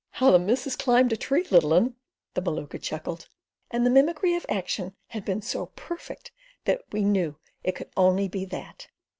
"How the missus climbed a tree, little 'un," the Maluka chuckled; and the mimicry of action had been so perfect that we knew it could only be that.